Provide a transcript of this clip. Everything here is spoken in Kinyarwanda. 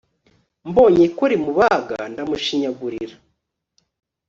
mbonye ko rimubaga ndamushinyagurira